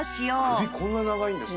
首こんな長いんですね。